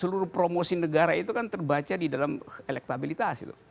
seluruh promosi negara itu kan terbaca di dalam elektabilitas